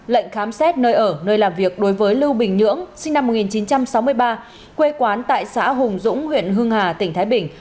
lệnh khám xét nơi ở nơi làm việc đối với lưu bình nhưỡng sinh năm một nghìn chín trăm sáu mươi ba quê quán tại xã hùng dũng huyện hương hà tỉnh thái bình